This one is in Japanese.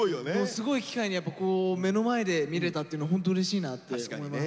すごい機会に目の前で見れたっていうのはホントうれしいなって思います。